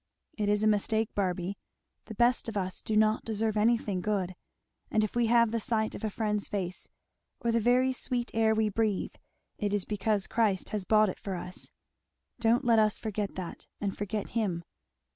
"It is a mistake, Barby. The best of us do not deserve anything good; and if we have the sight of a friend's face, or the very sweet air we breathe, it is because Christ has bought it for us. Don't let us forget that, and forget him."